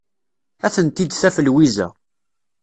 Ad tent-id-taf Lwiza.